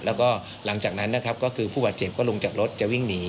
แล้วก็หลังจากนั้นนะครับก็คือผู้บาดเจ็บก็ลงจากรถจะวิ่งหนี